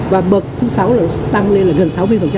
và bậc thứ sáu thì nó tăng lên là gần sáu mươi